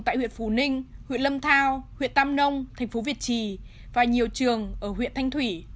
tại huyện phù ninh huyện lâm thao huyện tam nông thành phố việt trì và nhiều trường ở huyện thanh thủy